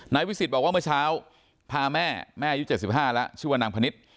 วิสิตบอกว่าเมื่อเช้าพาแม่แม่อายุ๗๕แล้วชื่อว่านางพนิษฐ์